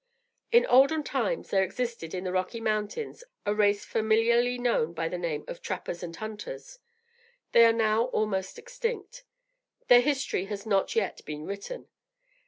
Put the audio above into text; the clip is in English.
In olden times there existed, in the Rocky Mountains, a race familiarly known by the name of "Trappers and Hunters." They are now almost extinct. Their history has not yet been written.